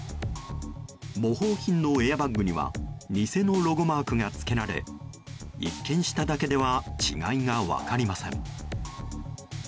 模倣品のエアバッグには偽のロゴマークが付けられ一見しただけでは違いが分かりません。